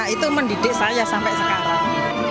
itu mendidik saya sampai sekarang